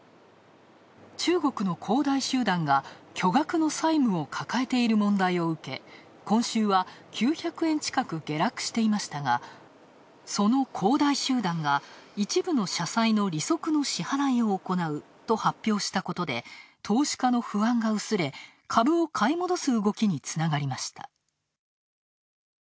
中国の恒大集団が巨額の債務を抱えている問題を受け今週は９００円近く下落していましたがその恒大集団が一部の社債の利息の支払いを行うと発表したことで、投資家の不安が薄れ株を買い戻す動きにつながりました。